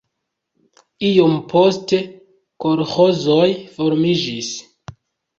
Iom poste kolĥozoj formiĝis.